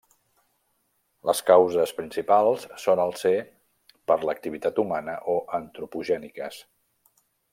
Les causes principals solen ser per l'activitat humana o antropogèniques.